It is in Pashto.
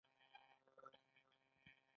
کاربوهایدریت بدن ته څه ورکوي